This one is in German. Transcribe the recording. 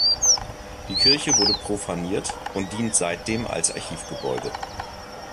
Die Kirche wurde profaniert und dient seitdem als Archivgebäude.